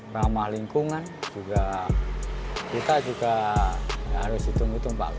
ramah lingkungan juga kita juga harus hitung hitung pak